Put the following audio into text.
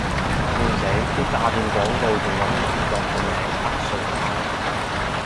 笑死，啲詐騙廣告仲搵林作個名呃上呃